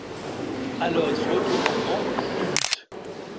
Alors ils se retournent en grand, ils culbutent.